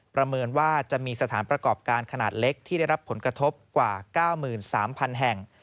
ประเมินว่าจะมีสถานประกอบการขนาดเล็กที่ได้รับผลกระทบกว่า๙๓๐๐๐แห่ง